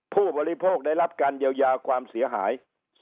ผู้บริโภคได้รับการเยียวยาความเสียหาย